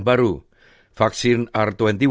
banyak dan yang sangat banyak yang terkenal di dunia